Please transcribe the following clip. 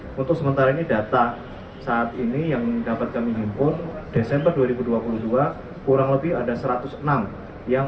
hai untuk sementara ini data saat ini yang dapat kami impon desember dua ribu dua puluh dua kurang lebih ada satu ratus enam yang